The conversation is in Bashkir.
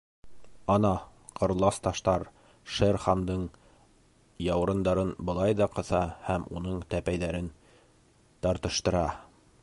Ана, ҡырлас таштар Шер Хандың яурындарын былай ҙа ҡыҫа һәм уның тәпәйҙәрен тартыштыра.